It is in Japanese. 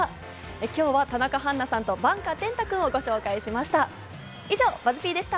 今日は田中絆菜さんと番家天嵩君をご紹介しました。